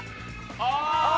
ああ。